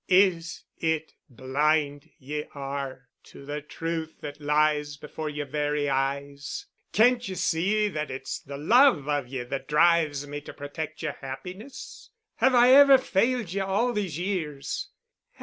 Is it blind ye are to the truth that lies before yer very eyes——? Can't ye see that it's the love of ye that drives me to protect yer happiness? Have I ever failed ye, all these years?